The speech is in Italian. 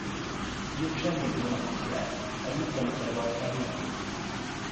Gli uccelli non accoppiati aiutano talvolta al nido.